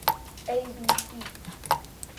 ئەی بی سی